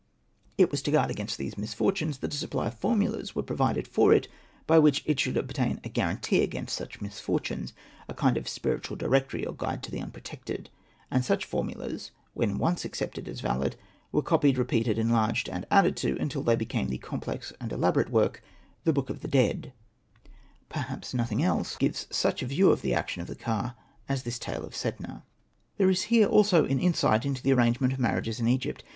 It was to guard against these misfortunes that a supply of formulas were provided for it, by which it should obtain a guarantee against such mis fortunes — a kind of spiritual directory or guide to the unprotected ; and such formulas, when once accepted as valid, were copied, repeated, enlarged, and added to, until they became the complex and elaborate work — The Book of the Dead, Perhaps nothing else Hosted by Google REMARKS 125 gives such a view of the action of the ka as this tale of Setna. There is here also an insight into the arrangement of marriages in Egypt.